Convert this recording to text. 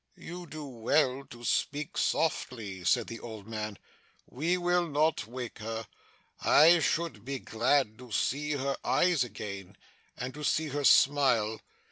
'You do well to speak softly,' said the old man. 'We will not wake her. I should be glad to see her eyes again, and to see her smile.